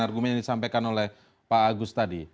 argumen yang disampaikan oleh pak agus tadi